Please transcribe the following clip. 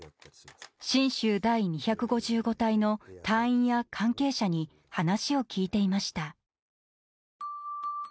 神鷲第二五五隊の隊員や関係者に話を聞いていました。